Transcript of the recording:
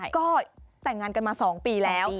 ก็แต่งงานกันมา๒ปีแล้ว